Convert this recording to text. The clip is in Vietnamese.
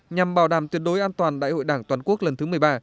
nhằm bảo đảm tuyệt đối an toàn đại hội đảng toàn quốc lần thứ một mươi ba